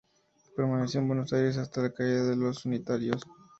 Permaneció en Buenos Aires hasta la caída de los unitarios.